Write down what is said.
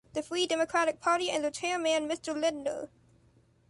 The free democratic party and their chairman Mr. Lindner.